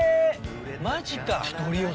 マジか！